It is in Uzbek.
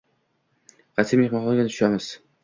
Qaysi mehmonxonaga tushamiz?